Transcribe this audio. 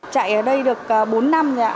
chạy ở đây được bốn năm rồi ạ